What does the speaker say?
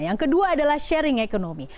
yang kedua adalah sharing ekonomi